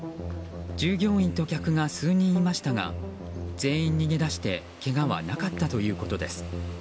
従業員と客が数人いましたが全員逃げ出してけがはなかったということです。